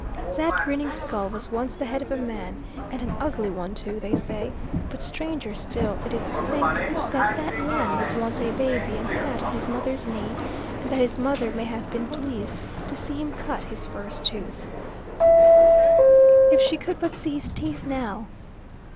That grinning skull was once the head of a man, and an ugly one too, they say; but stranger still it is to think, that that man was once a baby, and sat on his mother's knee, and that his mother may have been pleased to see him cut his first tooth. If she could but see his teeth now!